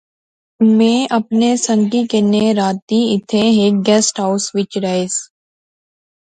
میں اپنے سنگئیں کنے راتی اتھیں ہیک گیسٹ ہائوس وچ رہیس